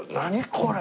これ。